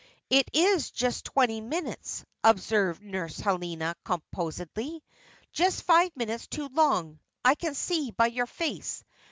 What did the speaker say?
"It is just twenty minutes," observed Nurse Helena, composedly. "Just five minutes too long, I can see, by your face.